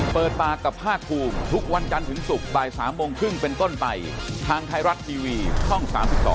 เปิดปากกับภาคภูมิทุกวันจันทร์ถึงศุกร์บ่าย๓โมงครึ่งเป็นต้นไปทางไทยรัฐทีวีช่อง๓๒